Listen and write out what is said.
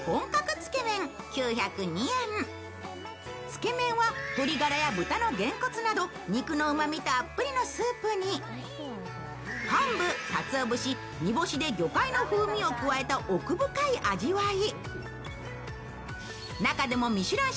つけ麺は鶏ガラや豚のげんこつなど肉のうまみたっぷりのスープに昆布、かつお節、煮干しで魚介の風味を加えた奥深い味わい。